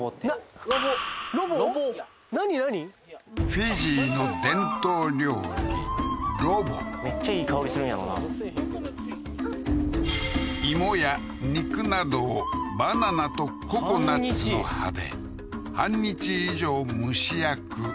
フィジーのめっちゃいい香りするんやろな芋や肉などをバナナとココナッツの葉で半日以上蒸し焼く